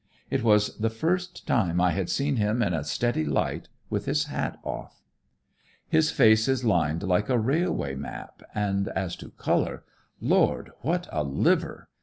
It was the first time I had seen him in a steady light, with his hat off. "His face is lined like a railway map, and as to color Lord, what a liver!